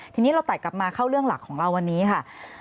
ทีนี้เราตัดกลับมาเข้าเรื่องหลักของเราวันนี้ค่ะ